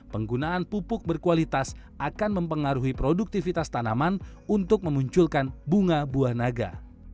penggunaan pupuk berkualitas akan mempengaruhi produktivitas tanaman untuk memunculkan bunga buah naga